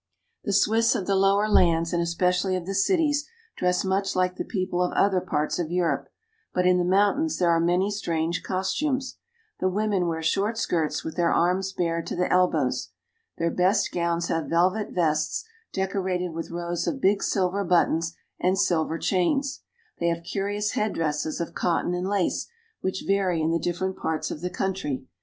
The Swiss of the lower lands, and especially of the cities, dress much like the people of other parts of Europe ; but in the mountains there are many strange costumes. The women wear short skirts, with their arms bare to the elbows. Their best gowns have velvet vests decorated with rows of big silver buttons and silver chains. They have curious headdresses of cotton and lace, which vary in the dif ferent parts of the country.